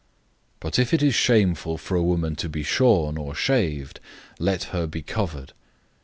But if it is shameful for a woman to be shorn or shaved, let her be covered.